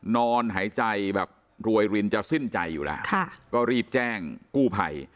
นอนหายใจแบบรวยรินจะสิ้นใจอยู่แล้วก็รีบแจ้งกู้ภัย